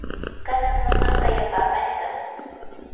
kanan mamaa qayapamashqa